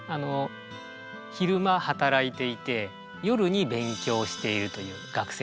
昼間働いていて夜に勉強しているという学生のことなんですね。